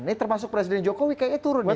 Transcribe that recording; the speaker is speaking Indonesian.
ini termasuk presiden jokowi kayaknya turun nih